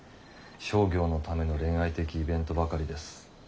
商業のための恋愛的イベントばかりです。